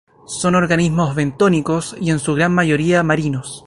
Son organismos bentónicos y en su gran mayoría marinos.